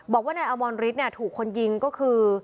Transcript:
บอกว่านายอมรฤทธิ์ถูกคนยิงก็คือ